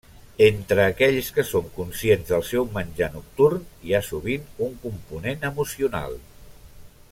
Entre aquells que són conscients del seu menjar nocturn, hi ha sovint un component emocional.